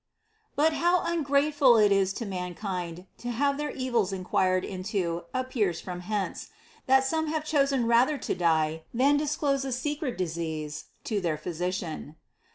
But how ungrateful it is to mankind to have their evils enquired into appears from hence ; that some have chosen rather to die than disclose a secret disease to their physician.